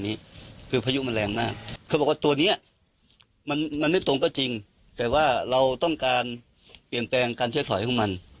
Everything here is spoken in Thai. นี้คือภายุมันแรงมากไม่ตรงก็จริงแต่ว่าเราต้องการเปลี่ยนแปลงการใช้ส่อยขุมัน